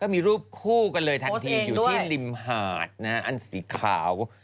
ก็มีรูปคู่กันเลยทันทีโพสต์เองด้วยอยู่ที่ริมหาดนะอันสีขาว